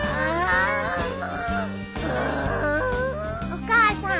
お母さん